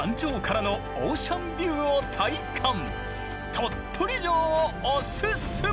鳥取城をおすすめ！